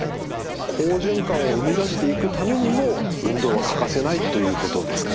好循環を生み出していくためにも運動は欠かせないというですかね。